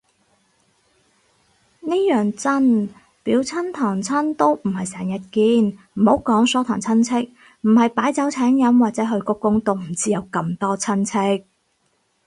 呢樣真，表親堂親都唔係成日見，唔好講疏堂親戚，唔係擺酒請飲或者去鞠躬都唔知有咁多親戚